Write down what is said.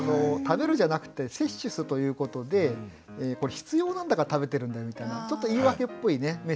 「食べる」じゃなくて「摂取す」ということでこれ必要なんだから食べてるんだよみたいなちょっと言い訳っぽいね